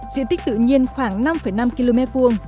diện tích tự nhiên khoảng năm năm km hai